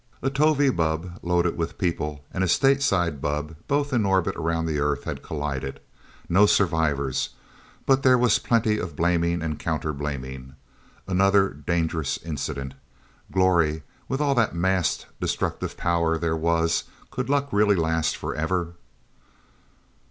A Tovie bubb, loaded with people, and a Stateside bubb, both in orbit around the Earth, had collided. No survivors. But there was plenty of blaming and counter blaming. Another dangerous incident. Glory with all the massed destructive power there was, could luck really last forever?